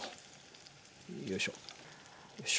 よいしょよいしょ。